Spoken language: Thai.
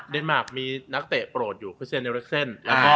เดนมาร์คมีนักเตะโปรดอยู่คุณเสียนเรลริกเส้น